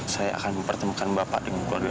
saya akan mempertemukan bapak dengan keluarga